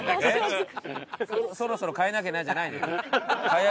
そろそろ替えなきゃなじゃないのよ。